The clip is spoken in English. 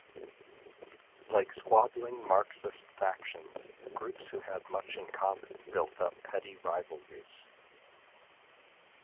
Like squabbling Marxist factions, groups who had much in common built up petty rivalries.